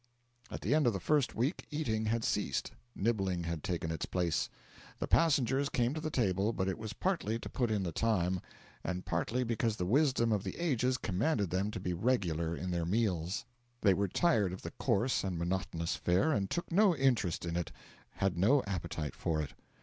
At the end of the first week eating had ceased, nibbling had taken its place. The passengers came to the table, but it was partly to put in the time, and partly because the wisdom of the ages commanded them to be regular in their meals. They were tired of the coarse and monotonous fare, and took no interest in it, had no appetite for it.